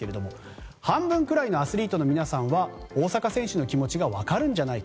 半分ぐらいのアスリートの皆さんは大坂選手の気持ちが分かるんじゃないか。